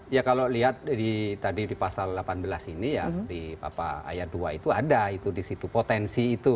ya kalau lihat di tadi di pasal delapan belas ini ya di ayat dua itu ada itu di situ potensi itu